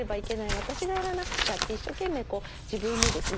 私がやらなくちゃって一生懸命こう自分にですね